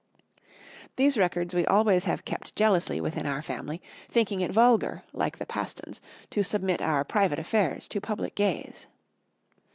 These records we always have kept jealously within our family, thinking it vulgar, like the Pastons, to submit our private affairs to public gaze.